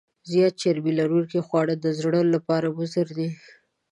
زیات چربي لرونکي خواړه د زړه لپاره مضر دي.